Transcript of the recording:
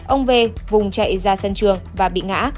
ông v vùng chạy ra sân trường và bị ngã